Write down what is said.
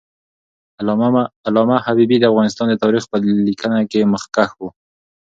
علامه حبیبي د افغانستان د تاریخ په لیکنه کې مخکښ و.